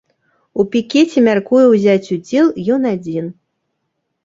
У пікеце мяркуе ўзяць удзел ён адзін.